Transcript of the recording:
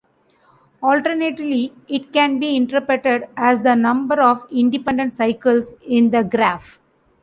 Alternatively, it can be interpreted as the number of independent cycles in the graph.